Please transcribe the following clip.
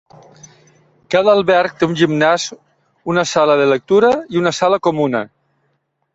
Cada alberg té un gimnàs, una sala de lectura i una sala comuna.